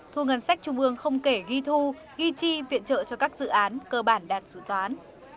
thu ngân sách trung ương không kể ghi thu ghi chi viện trợ cho các dự án cơ bản đạt dự toán